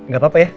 gak apa apa ya